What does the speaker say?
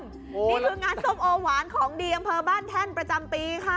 นี่คืองานส้มโอหวานของดีอำเภอบ้านแท่นประจำปีค่ะ